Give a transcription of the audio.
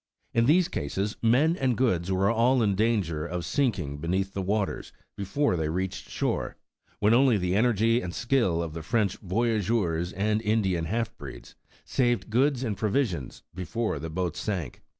In these cases, men and goods were all in danger of sinking be neath the waters before they reached shore, when only the energy and skill of the French voyageurs and In dian half breeds saved goods and provisions before the boat sank.